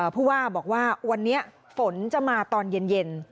ผู้ว่าบอกว่าวันนี้ฝนจะมาตอนเย็น